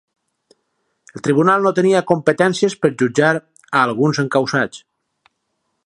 El tribunal no tenia competències per jutjar a alguns encausats